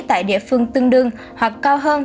tại địa phương tương đương hoặc cao hơn